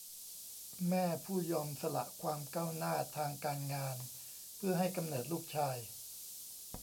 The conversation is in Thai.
แม่ผู้ยอมสละความก้าวหน้าทางการงานเพื่อให้กำเนิดลูกชาย